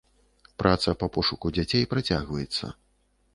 Праца па пошуку дзяцей працягваецца.